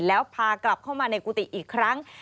แล้วพากลับเข้ามาในกุฏิอีกครั้ง